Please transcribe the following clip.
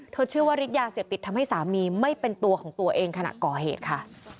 เชื่อว่าฤทธิยาเสพติดทำให้สามีไม่เป็นตัวของตัวเองขณะก่อเหตุค่ะ